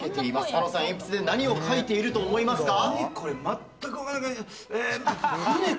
狩野さん、鉛筆で何を描いていると思いますか？